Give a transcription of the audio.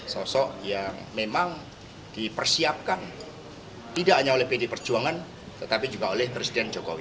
sosok yang memang dipersiapkan tidak hanya oleh pd perjuangan tetapi juga oleh presiden jokowi